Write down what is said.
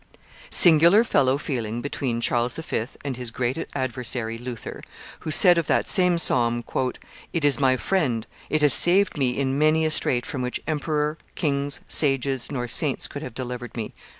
Singular fellow feeling between Charles V. and his great adversary Luther, who said of that same psalm, "It is my friend; it has saved me in many a strait from which emperor, kings, sages, nor saints could have delivered me!"